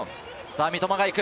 三笘が行く！